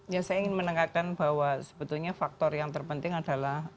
ya saya ingin menengahkan bahwa sebetulnya faktor yang terpenting adalah